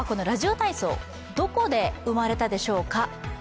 どこで生まれたでしょうか？